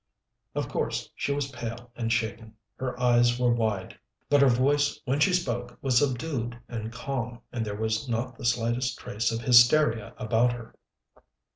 Of course she was pale and shaken, her eyes were wide, but her voice when she spoke was subdued and calm, and there was not the slightest trace of hysteria about her.